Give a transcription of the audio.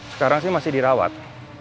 sekarang sih masih dirawat